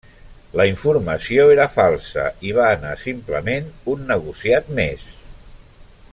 La informació era falsa i va anar simplement un negociat més.